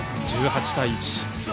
１８対１。